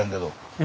え？